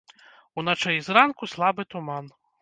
Уначы і зранку слабы туман.